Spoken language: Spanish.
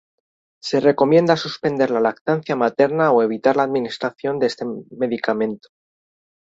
Se recomienda suspender la lactancia materna o evitar la administración de este medicamento.